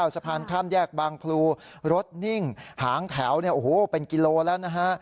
สะพานข้ามแยกบางพลูรถนิ่งหางแถวเนี่ยโอ้โหเป็นกิโลแล้วนะฮะ